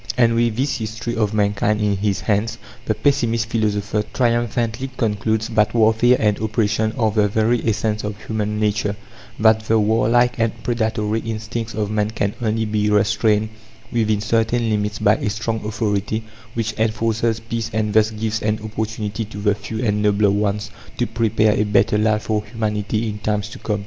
And, with this history of mankind in his hands, the pessimist philosopher triumphantly concludes that warfare and oppression are the very essence of human nature; that the warlike and predatory instincts of man can only be restrained within certain limits by a strong authority which enforces peace and thus gives an opportunity to the few and nobler ones to prepare a better life for humanity in times to come.